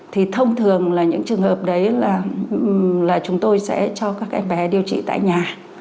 thì thông thường là những trường hợp đấy là chúng tôi sẽ cho các em bé điều trị tại nhà